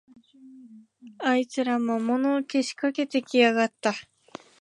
あいつら、魔物をけしかけてきやがった